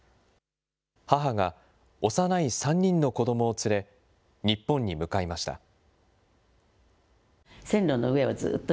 母が幼い３人の子どもを連れ、日本に向かいました。